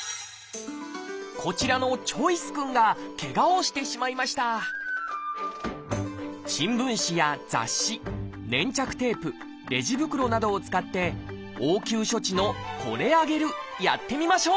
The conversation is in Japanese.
こちらのチョイス君がケガをしてしまいました新聞紙や雑誌粘着テープレジ袋などを使って応急処置の「これあげる」やってみましょう！